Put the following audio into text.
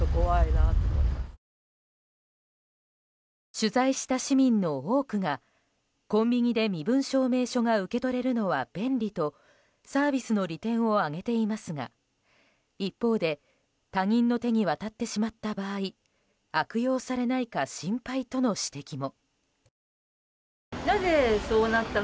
取材した市民の多くがコンビニで身分証明書が受け取れるのは便利とサービスの利点を挙げていますが一方で他人の手に渡ってしまった場合悪用されないか心配との指摘も。